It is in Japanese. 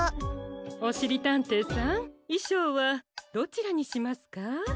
おしりたんていさんいしょうはどちらにしますか？